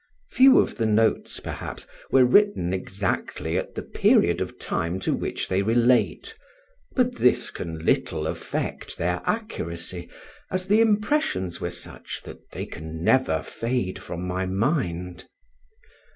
Few of the notes, perhaps, were written exactly at the period of time to which they relate; but this can little affect their accuracy, as the impressions were such that they can never fade from my mind.